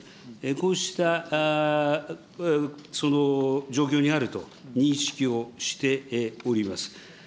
こうした、その状況にあると認識をしております。